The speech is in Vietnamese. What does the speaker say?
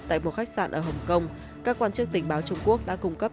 tại một khách sạn ở hồng kông các quan chức tình báo trung quốc đã cung cấp